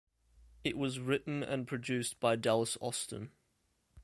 It was written and produced by Dallas Austin.